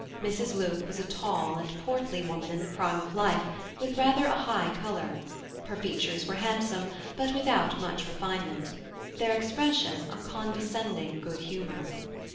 Mrs. Luke was a tall and portly woman in the prime of life, with rather a high colour; her features were handsome, but without much refinement, their expression a condescending good humour.